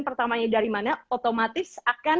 pertamanya dari mana otomatis akan